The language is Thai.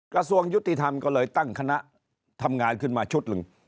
กระทรวงยุติธรรมก็เลยตั้งคณะทำงานขึ้นมาชุดหนึ่ง